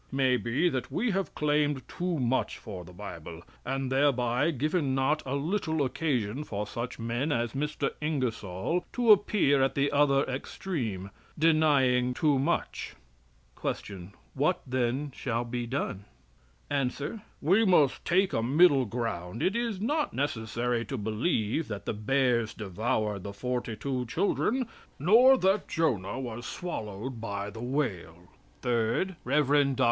It may be that we have claimed too much for the Bible, and thereby given not a little occasion for such men as Mr. Ingersoll to appear at the other extreme, denying too much." Q. What then shall be done? A. "We must take a middle ground. It is not necessary to believe that the bears devoured the forty two children, nor that Jonah was swallowed by the whale." THIRD, REV. DR.